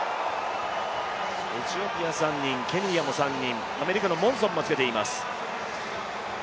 エチオピア３人、ケニアも３人、アメリカのモンソンもつけています。